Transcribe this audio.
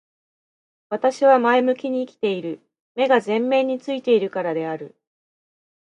私は前向きに生きている。目が前面に付いているからである。